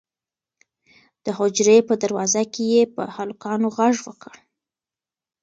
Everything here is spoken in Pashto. د حجرې په دروازه کې یې په هلکانو غږ وکړ.